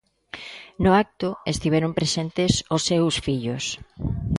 No acto estiveron presentes os seus fillos.